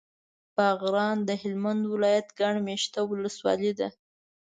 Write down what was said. باغران د هلمند ولایت ګڼ مېشته ولسوالي ده.